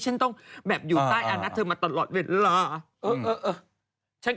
ยังไงยัง